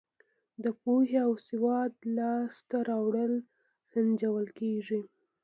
د پوهې او سواد لاس ته راوړل سنجول کیږي.